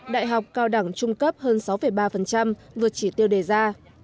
đại học cao đẳng trung cấp hơn sáu ba vượt chỉ tiêu đề ra